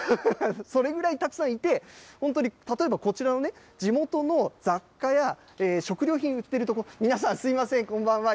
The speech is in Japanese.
それぐらいたくさんいて、本当に例えば、こちらの地元の雑貨や食料品売ってる所、皆さん、すみません、こんばんは。